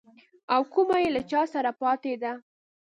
او کومه يې له چا سره پاته ده.